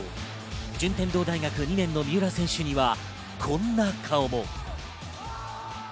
順天堂大学２年の三浦選手にはこんな顔も。